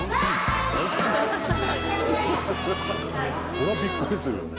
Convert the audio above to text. それはびっくりするよね。